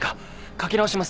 書き直します。